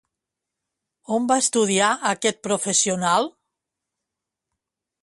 On va estudiar aquest professional?